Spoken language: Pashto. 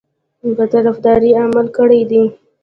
په طرفداري عمل کړی دی.